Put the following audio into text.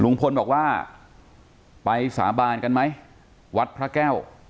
บอกว่าไปสาบานกันไหมวัดพระแก้ว